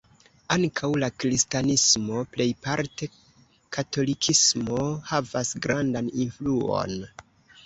Ankaŭ la kristanismo (plejparte katolikismo) havas grandan influon.